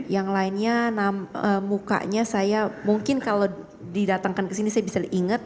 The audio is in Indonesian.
yang lainnya mukanya saya mungkin kalau didatangkan ke sini saya bisa ingat